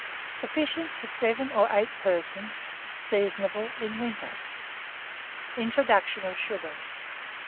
Sufficient for 7 or 8 persons. Seasonable in winter. INTRODUCTION OF SUGAR.